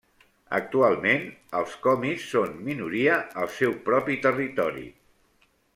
Actualment, els komis són minoria al seu propi territori.